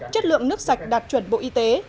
chất lượng nước sạch đạt chuẩn bộ y tế